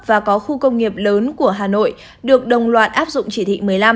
và có khu công nghiệp lớn của hà nội được đồng loạt áp dụng chỉ thị một mươi năm